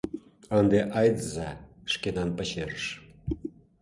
— А ынде айдыза шкенан пачерыш.